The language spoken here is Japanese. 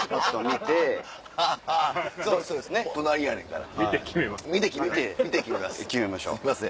見て決めましょう。